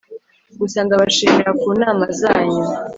gusa ndabashimira kunama zanyu